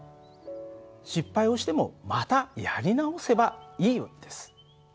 失敗をしてもまたやり直せばいい訳です。